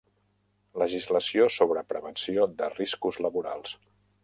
Legislació sobre prevenció de riscos laborals.